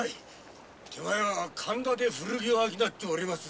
手前は神田で古着を商っております